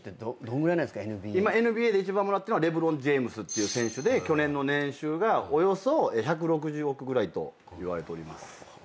今ＮＢＡで一番もらってるのはレブロン・ジェームズって選手で去年の年収がおよそ１６０億ぐらいといわれております。